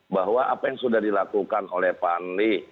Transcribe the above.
bahwa apa yang sudah dilakukan oleh panli